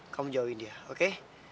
kamu jauhin dia oke